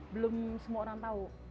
belum semua orang tahu